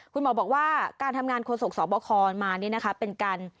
คุณหมอบอกว่าการทำงานโคสกสอบอคลมานี่นะครับ